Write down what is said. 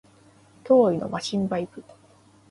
脅威のマシンバイブ